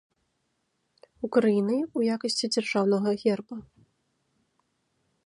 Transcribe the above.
Украінай ў якасці дзяржаўнага герба.